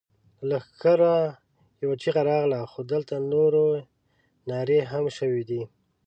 له لښکره يوه چيغه راغله! خو دلته نورې نارواوې هم شوې دي.